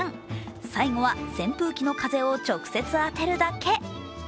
最後は扇風機の風を直接当てるだけ。